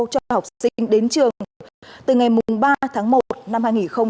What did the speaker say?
cho học sinh đến trường từ ngày ba tháng một năm hai nghìn hai mươi